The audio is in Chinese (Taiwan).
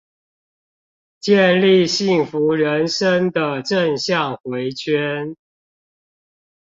建立幸福人生的正向迴圈